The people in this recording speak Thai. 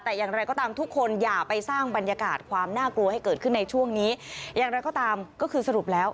แต่อย่างไรก็ตามทุกคนอย่าไปสร้างบรรยากาศ